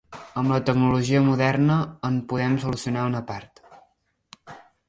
Amb la tecnologia moderna, en podem solucionar una part.